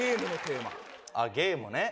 ゲームね。